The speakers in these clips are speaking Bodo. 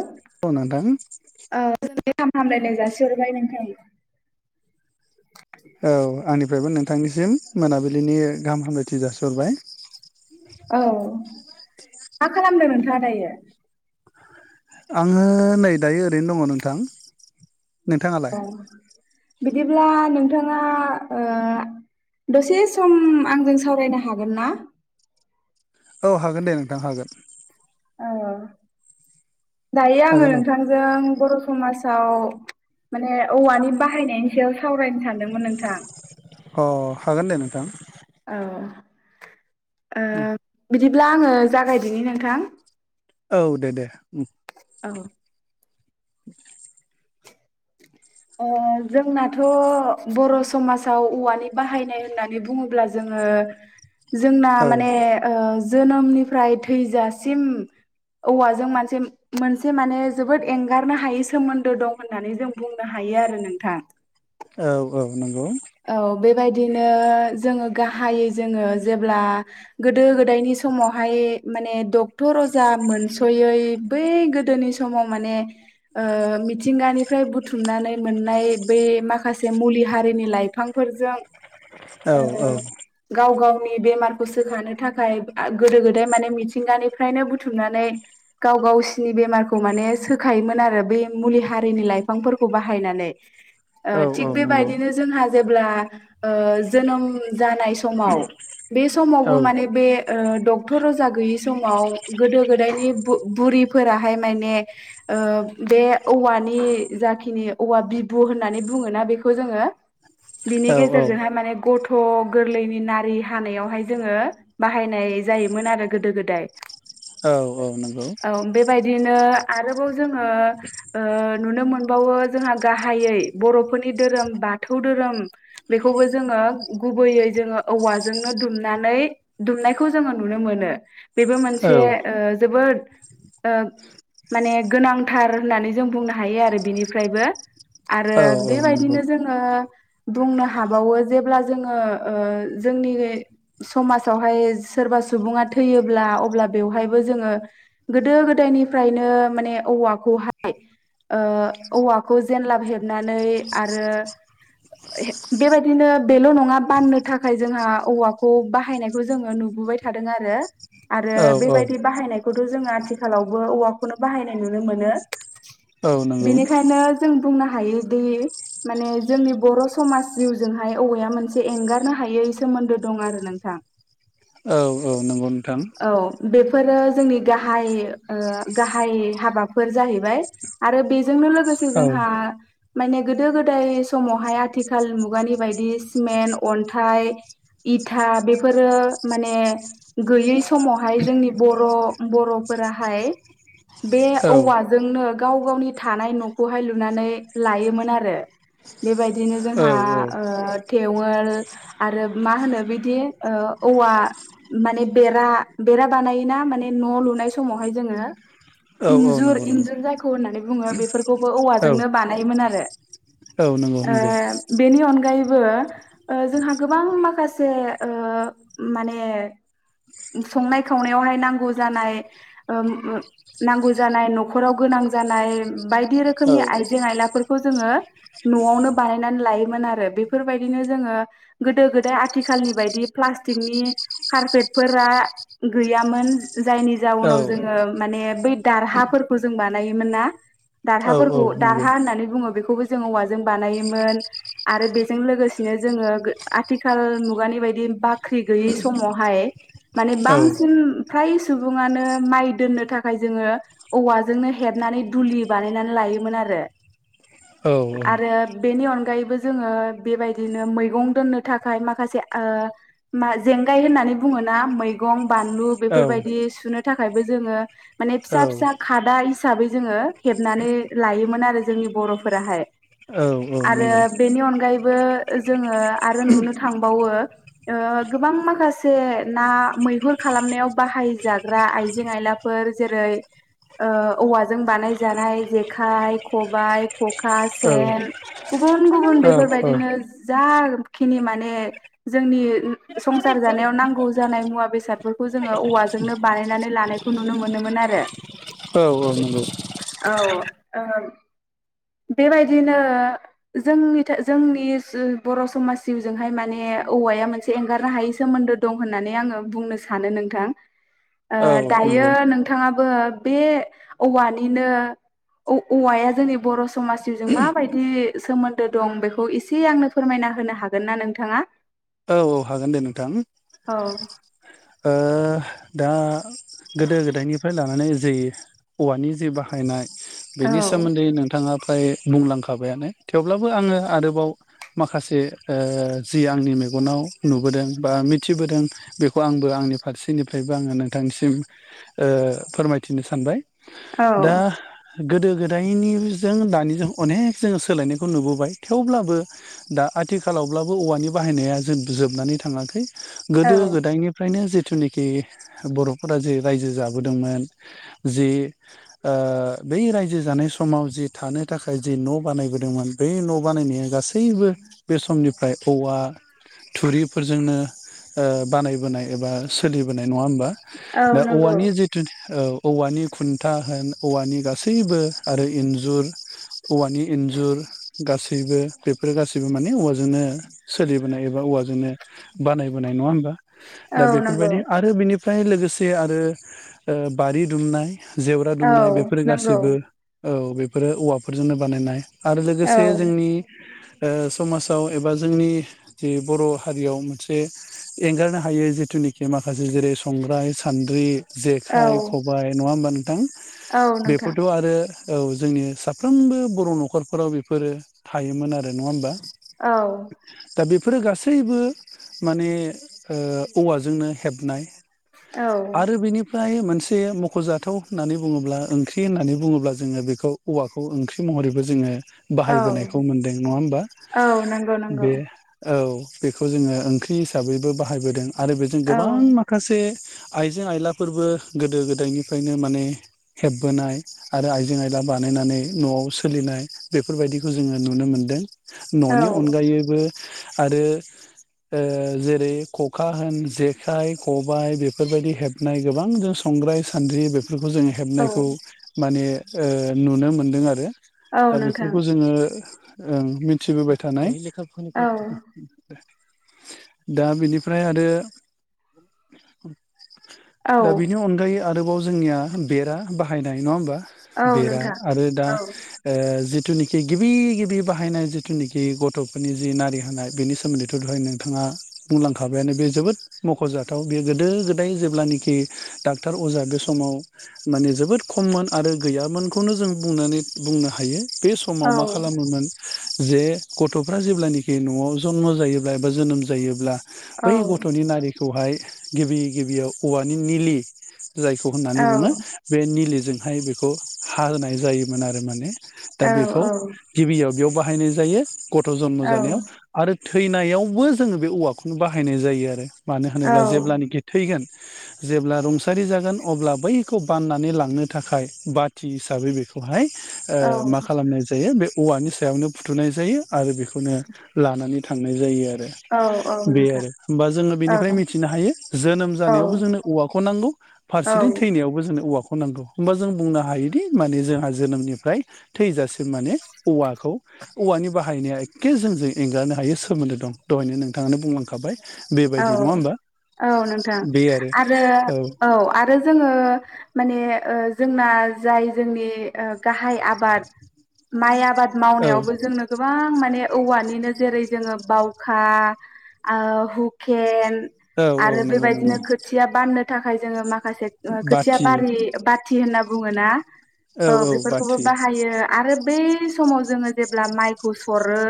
ओ औ नोंथां औ [unintelligible] हामलायनाय जासिहरबाय नोंथां। औ आंनिफ्रायबो नोंथांनिसिम मोनाबिलिनि गाहाम हामलायथि जासिहरबाय। औ मा खालामदों नोंथाङा दायो? आङो नै दायो ओरैनो दङ नोंथां। नोंथाङालाय औ बिदिब्ला नोंथाङा ओ दसे सम आंजों सावरायनो हागोन ना? औ हागोन दे नोंथां हागोन। ओ दायो आङो हागोन औ नोंथांजों बर' समाज आव माने औवानि बाहायनायनि सायाव सावरायनो सान अ हागोन दे नोंथां औ ओ बिदिब्ला आङो जागायदिनि नोंथां। औ दे दे ओम औ [unintelligible] ओ जोंनाथ' बर' समाजाव औवानि बाहायनाय होननानै बुङोब्ला जोङो जोंना औ माने ओ‌ जोनोमनिफ्राय थैजासिम औवाजों मानसे मोनसे माने जोबोद एंगारनो हायै सोमोन्दो दं होननानै जों बुं नो हायो आरो नोंथां। औ औ नंगौ औ बेबायदिनो जोङो गाहायै जोङो जेब्ला गोदो गोदायनि समावहाय माने डक्टर अजा मोनस'यै बै गोदोनि समाव माने ओ‌ मिथिंगानिफ्राय बुथुमनानै मोननाय बै माखासे मुलि हारिनि लाइ फांफोरजों औ ओ गाव गाव नि बेमारखौ सोखानो थाखाय गोदो गोदाय माने मिथिंगानिफ्रायनो बुथुमनानै गाव गावसिनि बेमारखौ माने सोखायोमोन आरो बै मुलि हारिनि लाइफांफोरखौ बाहायनानै। औ ओ औ थिग नंगौ बेबायदिनो जोंहा जेब्ला ओ जोनोम जानाय समाव बे औ समावबो माने बे ओ डक्टर अजा गैयि समाव गोदो गोदायनि बुरिफोराहाय माने ओ बे औवानि जाखिनि औवा बिबु होननानै बुङोना बेखौ जोङो। बिनि औ गेजेरजोंहाय माने गथ' गोरलैनि नारि हानायावहाय जोङो बाहायनाय जायोमोन आरो गोदो गोदाय। औ औ नंगौ बिदिनो आरोबाव जोङो ओ नुनो मोनबावो जोंहा गाहायै बर'फोरनि धोरोम बाथौ धोरोम बेखौबो जोङो गुबैयै जोङो औवाजोंनो दुमनानै दुमनायखौ जोङो नुनो मोनो बेबो औ मोनसे ओ जोबोद ओ माने गोनांथार होननानै जों बुंनो हायो आरो बिनिफ्रायबो आरो औ औ नंगौ बेबायदिनो जोङो बुंनो हाबावो जेब्ला जोंओ ओ जोंनि समाजावहाय सोरबा सुबुङा थैयोब्ला अब्ला बेवहायबो जोङो गोदो गोदायनिफ्रायनो माने औवाखौहाय ओ औवाखौ जेनलाब हेबनानै आरो हे बेबायदिनो बेल' नङा बाननो थाखाय जोंहा औवाखौ बाहायनायखौ जोङो नुबोबाय थादों आरो आरो औ औ नंगौ बेबायदि बाहायनायखौथ' जोङो आथिखालावबो औवाखौनो बाहायनाय नुनो मोनो बेनिखायनो जों बुंनो हायोदि माने जोंनि बर समाज जिउजोंहाय औवाया मोनसे एंगारनो हायै सोमोन्दो दं आरो नोंथां औ औ नंगौ नोंथां फोरो जोंनि गाहाय ओ गाहाय हाबाफोर जाहैबाय आरो बे जोंनो लोगोसे औ जोंहा माने गोदो गोदाय समावहाय आथिखाल मुगानि बायदि सिमेन्ट अन्थाइ इथा बेफोरो माने गैयै समावहाय जोंनि बर' बर' फोराहाय बे औ औवाजोंनो गाव गावनि थानाय न'खौहाय लुनानै लायोमोन आरो बेबायदिनो औ जोंहा ओ थेवोल आरो मा होनो बिदि ओ औवा माने बेरा बेरा बानायोना माने न' लुनाय समावहाय जोङो औ औ इन्जुर नंगौ नंगौ इन्जुर जायखौ होननानै बुङो बेफोरखौबो औ औवाजोंनो बानायोमोन आरो औ नंगौ ओ नंगौ बेनि अन गायैबो ओ जोंहा गोबां माखासे ओ माने संनाय खावनायावहाय नांगौ जानाय ओम ओ नांगौ जानाय नख'राव गोनां गोनां जानाय बायदि औ रोखोमनि आइजें आयलाफोरखौ जोङो न'आवनो बानायनानै लायोमोन आरो बेफोरबायदिनो जोङो गोदो गोदाय आथिखालनि बायदि प्लासटिकनि कारपेटफोरा गैयामोन जायनि औ जाउनाव जोङो माने बै दारहाफोरखौ जों बानायोमोन ना औ औ दारहाफोरखौ नंगौ दारहा होननानै बुङो बेखौबो जों औवाजों बानायोमोन आरो बे जों लोगोसेनो जोङो गो आथिखाल मुगानि बायदि बाख्रि गैयै समावहाय माने औ बांसिन फ्राय सुबुङानो माइ दोननो थाखाय जोङो औवाजोंनो हेबनानै दुलि बानायनानै लायो योमोन आरो औ आरो बेनि अनगायैबो जोङो बेबायदिनो मैगं दोननो थाखाय माखासे आ ओ मा जेंगाय होननानै बुङोना मैगं बानलु औ बेफोरबायदि सुनो थाखायबो जोङो माने फिसा फिसा औ खादा हिसाबै जोङो हेबनानै लायोमोन आरो जोंनि बर'फोराहाय औ नंगौ औ आरो नंगौ बेनि अनगायैबो जोङो आरो नुनो थांबावो ओ गोबां माखासे ना मैहुर खालामनायाव बाहाय जाग्रा आइजें आइला फोर जेरै ओ औवाजों बानाय जानाय जेखाइ खबाय ख'खा सेन गुबुन गुबुन बेफोरबायदिनो जा खिनि माने जोंनि संसार जानायाव नांगौ जानाय मुवा बेसादफोरखौ जोङो औवा जोंनो बानायनानै लानायखौ नुनो मोनोमोन आरो औ औ ओ बेबायदिनो जोंनि जोंनि बर समाज जिउजोंहाय माने औवाया मोनसे एंगारनो हायै सोमोन्दो दं होननानै आङो बुंनो सानो नोंथां ओ दायो नंगौ नोंथाङा ओ बे औवानिनो औ औवाया जोंनि बर' स समाज जिउजों माबायदि सोमोन्दो दं बेखौ एसे आंनो फोरमायना होनो हागोन ना नोंथाङा? औ औ हागोन दे नोंथां। औ ओ दा गोदो गोदायनिफ्राय लानानै जि औवानि जि बाहायनाय औ बेनि सोमोन्दै नोंथाङा फ्राय बुंलांखाबायानो थेवब्लाबो आङो आरोबाव माखासे ओ जि आंनि मेगनाव नुबोदों बा मिथिबोदों बे खौ आंबो आंनि फारसेनिफ्रायबो आङो नोंथांनिसिम ओ फोरमायथिनो सानबाय। औ दा गोदो गोदायनिजों दानिजों अनेक जोङो सोलायनायखौ नुबोबाय थेवब्लाबो दा आथिखालावब्लाबो औवानि बाहायनाया जों जोबनानै थाङाखै औ गोदो गोदायनि नो जिथुनाखि बर'फोरा जे रायजो जाबोदोंमोन जि ओ बै रायजो जानाय समाव जि थानो थाखाय जि न' बानायबोदोंमोन बै न' बानायनाया गासै बो बे समनिफ्राय औवा, थुरिफोरजोंनो ओ बानायबोनाय एबा सोलिबोनाय नङा होमबा औ दा नंगौ औवानि जिथु औ औवानि खुन्था होन औवानि गासैबो आरो इन्जुर औवानि इन्जुर गासैबो बेफोरो गासैबो माने औवाजोंनो सोलिबोनाय एबा औवाजोंनो बानायबोनाय नङा होमबा? औ दा नंगौ बेफोरबायदि आरो बेनिफ्राय लोगोसे आरो ओ बारि ओ दुमनाय जेवरा औ दुमनाय बेफोर नंगौ गासैबो औ बेफोरो औवाफोरजोंनो बानायनाय आरो औ लोगोसे जोंनि ओ समाजाव एबा जोंनि जि बर' हारियाव मोनसे एंगारनो हायै जिथुनिखि माखासे जेरै संग्राय, सान्द्रि, औ जेखाइ खबाइ, नङा होमबा नोंथां? औ नोंथां बेफोरथ' आरो औ जोंनि साफ्रोमबो बर' न'खरफोराव बेफोरो थायोमोन आरो नङा होमबा? औ दा बेफोरो गासैबो माने ओ औवाजोंनो हेबनाय। औ आरो बिनिफ्राय मोन से मख'जाथाव होननानै बुङोब्ला ओंख्रि होननानै बुङोब्ला जोङो बेखौ औवाखौ ओंख्रि महरैबो जोङो औ बाहायबोनायखौ मोनदों नङा होमबा औ नंगौ नंगौ बे औ। बेखौ जोङो ओंख्रि हिसाबैबो बाहायबोदों आरो बेजों औ गोबां माखासे आइजें आइलाफोरबो गोदो गोदायनिफ्रायनो माने हेबबोनाय आरो आइजें आइला बा बानायनानै न'आव सोलिनाय बेफोरबायदिखौ जोङो नुनो मोनदों। औ न'नि अनगायैबो आरो ओ जेरै खखा होन जेखाइ-खबाइ बेफोरबायदि हेबनाय गोबां जों संग्राय-सान्द्रि बेफ फोरखौ जोङो औ हेबनायखौ माने नुनो मोनदों आरो। औ दा नोंथां बेफोरखौ जोङो ओं मिथिबोबाय थानाय औ दा बेनि ओयफ्राय आरो औ दा बेनि अनगायै आरोबाव जोंनिया बेरा बाहायनाय नङा ओमबा? औ बेरा नोंथां आरो दा औ ओ जि जिथुनिखि गिबि गिबि बाहायनाय जिथुनिखि गथ'फोरनि जि नारि होनाय बेनि सोमोन्दैथ' दहाय नोंथाङा ङा बुंलां खाबायानो बे जोबोद मख'जाथाव बेयो गोदो गोदाय जेब्लानाखि डाक्टर अजा बे समाव माने जोबोद खममोन आरो गैयामोनखौनो जों बुंनानै बुंनो हायो। बे समाव औ मा खालामोमोन जे गथ'फ्रा जेब्लानाखि न'आव जन्म जायोब्ला एबा जोनोम जायोब्ला औ बै गथ'नि नारिखौहाय गिबि गिबियाव औवानि निलि जायखौ औ होननानै बुङो बे निलिजोंहाय बेखौ हाहोनाय जायोमोन आरो माने। दा बेखौ गिबियाव बेयाव बाहायनाय जायो गथ' जन्म जानायाव आरो थैनायावबो जोङो बे औवाखौनो बाहायनाय जायो आरो मानो औ होनोब्ला जेब्लानोाखि थैगोन जेब्ला रुंसारि जागोन अब्ला बैखौ बाननानै लांनो थाखाय बाथि हिसाबै बेखौहाय ओ मा खालामनाय जायो बे औवानि सायावनो फुथुनाय जायो आरो बेखौनो लानानै थांनाय जायो आरो औ औ बे नोंथां आरो होमबा जोङो औ बेनिफ्राय मिथिनो हायो जोनोम औ जानायावबो जोंनो औवाखौ नांगौ फारसेथिं औ थैनायावबो जोंनो औवाखौ नांगौ होमबा जों बुंनो हायोदि माने जोंहा जोनोमनिफ्राय थैजासिम माने औवाखौ औवानि बाहायनाया एखे जोंजों एंगारनो हायो सोमोन्दो दं। दहायनो नोंथाङानो बुंलांखाबाय। औ बेबायदि नङा होमबा। औ नोंथां आरो औ आरो जोङो माने ओ जोंना जाय जोंनि गाहाय आबाद माइ आबाद औ मावनायावबो जोंनो गोबां माने औवानिनो जेरै जोङो बावखा ओ हुकेन औ औ आरो नंगौ बेबायदिनो नंगौ खोथिया बाननो थाखाय जोङो माखासे खोथिया बाथि बारि बाथि होनना बुङो ना। औ बेफोरखौबो बाहायो आरो बे समाव जोङो जेब्ला माइखौ सरो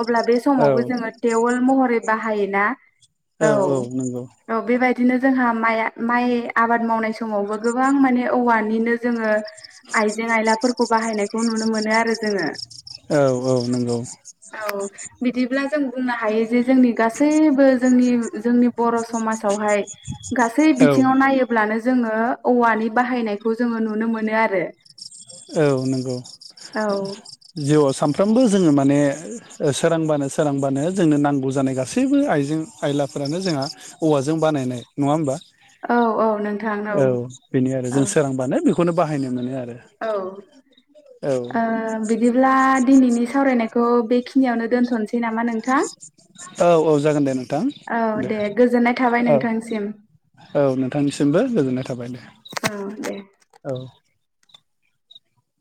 अब्ला बे औ समावबो जोङो टेननवल महरै बाहायोना। औ औ बेबायदि बिदिनो जोंहा माइ माइ आबाद मावनाय समावबो गोबां माने औवानिनो जोङो आइजें आयलाफोरखौ बाहायनायखौ नुनो मोनो आरो जोङो। औ औ नंगौ। अब्ला जों बुंनो हायो जे जोंनि गासैबो जोंनि जोंनि बर' समाजावहाय गासै औ बिथिङाव नायोब्लानो जोङो औवानि बाहायनायखौ जोङो नुनो मोननो आरो औ नंगौ औ जिउआव सानफ्रोमबो जोङो माने सोरांबानो सोरांबानो जोंनो नांगौ जानाय गासैबो आइजें आयलाफ्रानो जों हा औवाजों बानायनाय नङा होमबा। औ औ नोंथां औ बेनो आरो औ जों सोरांबानो बेखौनो बाहायनो मोनो आरो औ औ बिदिब्ला ओ दिनैनि सावरायनायखौ खौ बेखिनियावनो दोनथ'नोसै नामा नोंथां। औ औ जागोन दे नोंथां औ दे गोजोननाय थाबाय औ नोंथांनिसिम। औ नोंथांनिसिमबो गोजोननाय थाबाय दे औ दे औ।